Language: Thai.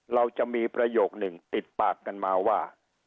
เราจะมีประโยคหนึ่งติดปากกันมาว่า